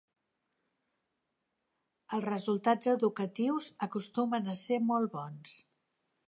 Els resultats educatius acostumen a ser molt bons.